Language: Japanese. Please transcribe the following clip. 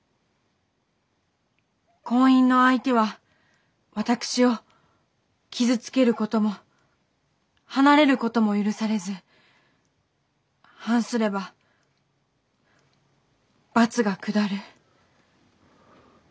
婚姻の相手は私を傷つけることも離れることも許されず反すれば罰が下る。